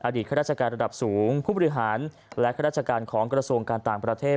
ข้าราชการระดับสูงผู้บริหารและข้าราชการของกระทรวงการต่างประเทศ